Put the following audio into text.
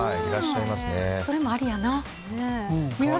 それもありやな。